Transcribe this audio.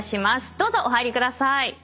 どうぞお入りください。